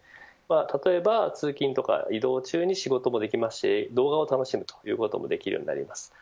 例えば、通勤や移動中に仕事もできますし動画を楽しむこともできるようになります。